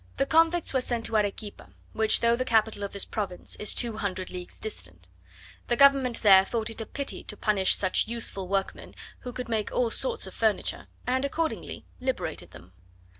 The convicts were sent to Arequipa, which though the capital of this province, is two hundred leagues distant, the government there thought it a pity to punish such useful workmen, who could make all sorts of furniture; and accordingly liberated them.